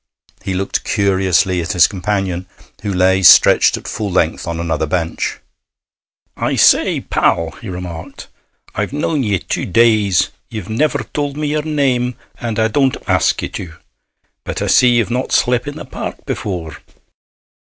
He looked curiously at his companion, who lay stretched at full length on another bench. 'I say, pal,' he remarked, 'I've known ye two days; ye've never told me yer name, and I don't ask ye to. But I see ye've not slep' in a park before.'